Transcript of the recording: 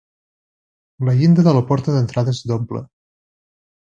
La llinda de la porta d'entrada és doble.